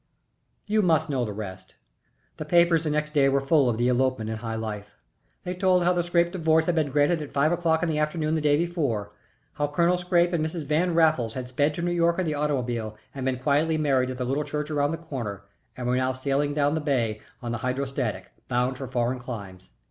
You must know the rest. The papers the next day were full of the elopement in high life. They told how the Scrappe divorce had been granted at five o'clock in the afternoon the day before, how Colonel Scrappe and Mrs. Van Raffles had sped to New York in the automobile and been quietly married at the Little Church Around the Corner, and were now sailing down the bay on the Hydrostatic, bound for foreign climes.